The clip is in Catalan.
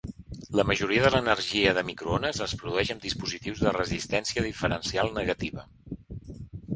La majoria de l'energia de microones es produeix amb dispositius de resistència diferencial negativa.